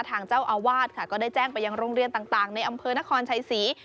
ทางเจ้าอาวาสค่ะก็ได้แจ้งไปยังโรงเรียนต่างในอำเภอนครชัยศรี